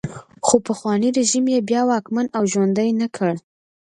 خو پخوانی رژیم یې بیا واکمن او ژوندی نه کړ.